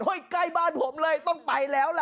ใกล้บ้านผมเลยต้องไปแล้วล่ะ